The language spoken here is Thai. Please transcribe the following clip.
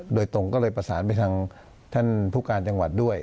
โดยตรงก็เลยประสานไปทางท่านผู้การจังหวัดด้วย